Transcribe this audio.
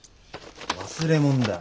忘れ物だよ。